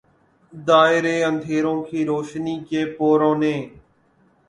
دائرے اندھیروں کے روشنی کے پوروں نے